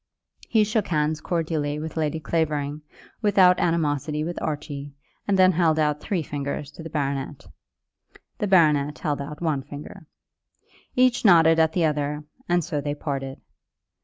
He shook hands cordially with Lady Clavering, without animosity with Archie, and then held out three fingers to the baronet. The baronet held out one finger. Each nodded at the other, and so they parted.